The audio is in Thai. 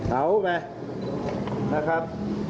เอาไปนะครับ